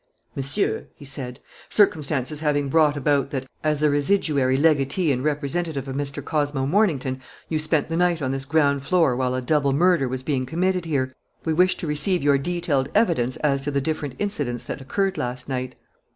"Monsieur," he said, "circumstances having brought about that, as the residuary legatee and representative of Mr. Cosmo Mornington, you spent the night on this ground floor while a double murder was being committed here, we wish to receive your detailed evidence as to the different incidents that occurred last night."